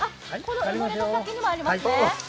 埋もれの先にもありますね。